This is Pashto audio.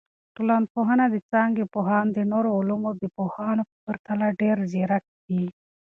ټولنپوهنه د څانګي پوهان د نورو علومو د پوهانو په پرتله ډیر ځیرک دي.